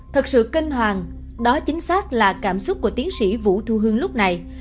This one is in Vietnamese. thật sự kinh hoàng đó chính xác là cảm xúc của tiến sĩ vũ thu hương lúc này